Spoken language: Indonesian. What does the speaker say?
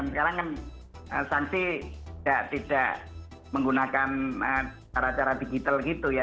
sekarang kan sanksi tidak menggunakan cara cara digital gitu ya